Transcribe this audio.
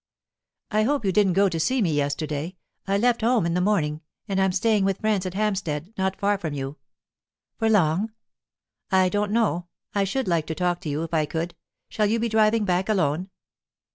"I hope you didn't go to see me yesterday? I left home in the morning, and am staying with friends at Hampstead, not far from you." "For long?" "I don't know. I should like to talk to you, if I could. Shall you be driving back alone?"